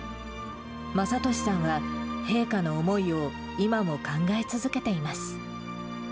正利さんは陛下の思いを今も考え続けています。